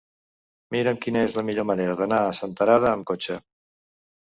Mira'm quina és la millor manera d'anar a Senterada amb cotxe.